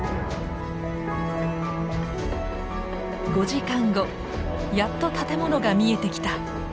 ５時間後やっと建物が見えてきた！